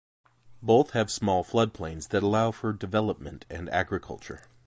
Both have small floodplains that allow for development and agriculture.